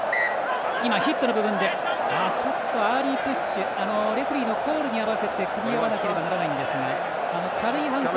ちょっとアーリープッシュレフリーのコールに合わせて組み合わなければならないんですが、軽い反則